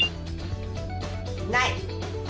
ない。